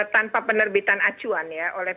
tanpa penerbitan acuan oleh